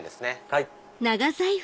はい。